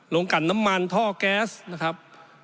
ลงกันน้ำมันท่อแก๊สนะครับ